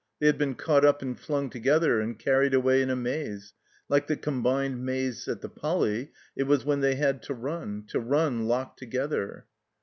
They had been caught up and fltmg together and carried away in a maze; Uke the Com bined Maze at the Poly., it was, when they had to run — ^to run, locked together.